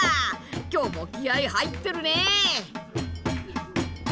今日も気合い入ってるね！